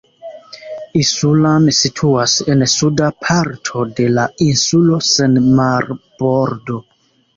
Isulan situas en suda parto de la insulo sen marbordo.